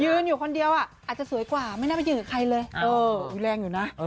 อยู่คนเดียวอ่ะอาจจะสวยกว่าไม่น่าไปยืนกับใครเลยมีแรงอยู่นะ